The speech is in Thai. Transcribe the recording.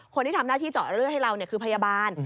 คนที่ทำหน้าที่เจาะเลือดให้เราคือพยาบาล